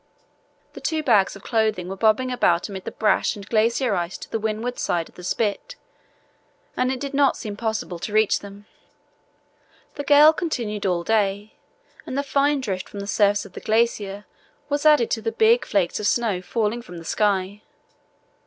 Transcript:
The two bags of clothing were bobbing about amid the brash and glacier ice to the windward side of the spit, and it did not seem possible to reach them. The gale continued all day, and the fine drift from the surface of the glacier was added to the big flakes of snow falling from the sky.